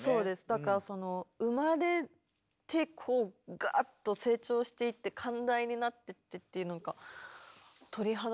だからその生まれてこうガーッと成長していって寛大になっていってっていうなんか鳥肌。